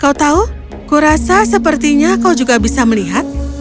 kau tahu kurasa sepertinya kau juga bisa melihat